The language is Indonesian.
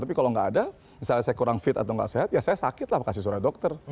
tapi kalau nggak ada misalnya saya kurang fit atau nggak sehat ya saya sakit lah kasih surat dokter